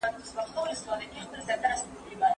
ډیپلوماسي باید د هېواد وقار لوړ کړي.